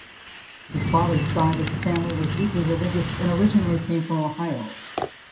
His father's side of the family was deeply religious and originally came from Ohio.